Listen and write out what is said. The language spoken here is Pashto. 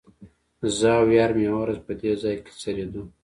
زه او یار مې یوه ورځ په دې ځای کې څریدو.